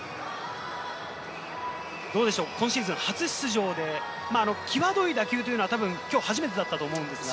今シーズン初出場で、きわどい打球というのは今日初めてだったと思うんですが。